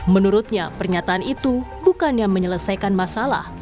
menurutnya pernyataan itu bukan yang menyelesaikan masalah